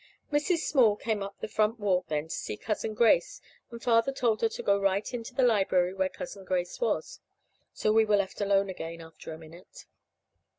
Mrs. Small came up the front walk then to see Cousin Grace, and Father told her to go right into the library where Cousin Grace was. So we were left alone again, after a minute.